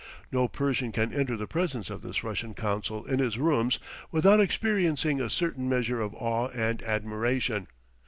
No Persian can enter the presence of this Russian consul in his rooms without experiencing a certain measure of awe and admiration.